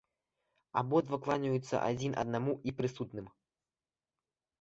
Абодва кланяюцца адзін аднаму і прысутным.